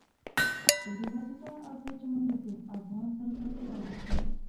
ابن بطوطه او سیدجماالدین افغان سره پرتله نه شي.